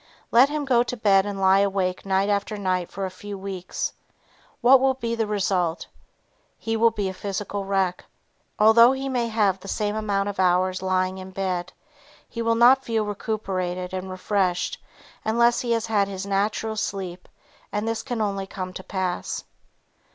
Let him go to bed and lie awake night after night for a few weeks, what will be the result? He will be a physical wreck. Although he may have the same amount of hours lying in bed, he will not feel recuperated and refreshed unless he has had his natural sleep and this can only come to pass.